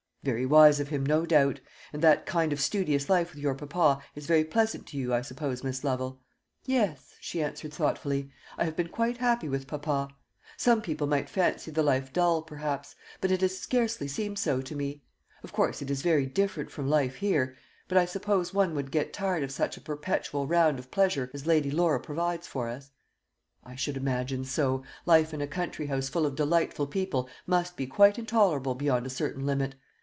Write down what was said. "Very wise of him, no doubt. And that kind of studious life with your papa is very pleasant to you, I suppose, Miss Lovel?" "Yes," she answered thoughtfully; "I have been quite happy with papa. Some people might fancy the life dull, perhaps, but it has scarcely seemed so to me. Of course it is very different from life here; but I suppose one would get tired of such a perpetual round of pleasure as Lady Laura provides for us." "I should imagine so. Life in a country house full of delightful people must be quite intolerable beyond a certain limit.